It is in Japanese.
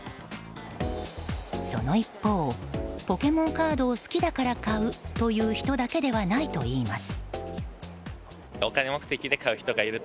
その一方ポケモンカードを好きだから買うという人だけではないといいます。